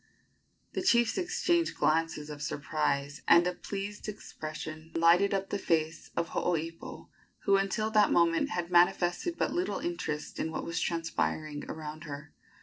The chiefs exchanged glances of surprise, and a pleased expression lighted up the face of Hooipo, who until that moment had manifested but little interest in what was transpiring around her.